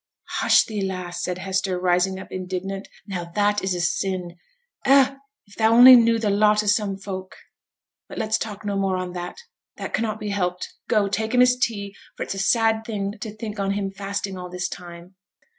'Hush thee, lass!' said Hester, rising up indignant; 'now that is a sin. Eh! if thou only knew the lot o' some folk. But let's talk no more on that, that cannot be helped; go, take him his tea, for it's a sad thing to think on him fasting all this time.'